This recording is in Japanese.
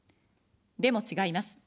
でも、違います。